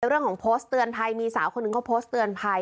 เรื่องของโพสต์เตือนภัยมีสาวคนหนึ่งเขาโพสต์เตือนภัย